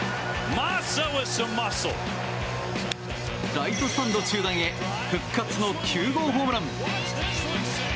ライトスタンド中段へ復活の９号ホームラン！